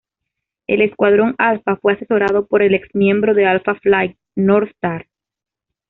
El Escuadrón Alfa fue asesorado por el ex miembro de Alpha Flight, Northstar.